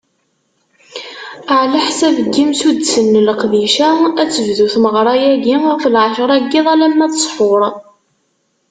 Ɛlaḥsab n yimsuddsen n leqdic-a, ad tebdu tmeɣra-agi ɣef lɛecra n yiḍ alamma d ṣṣḥur.